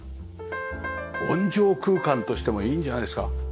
音場空間としてもいいんじゃないですか。